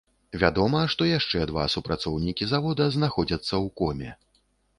Вядома, што яшчэ два супрацоўнікі завода знаходзяцца ў коме.